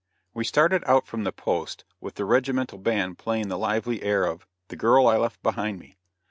] We started out from the post with the regimental band playing the lively air of "The Girl I Left Behind Me."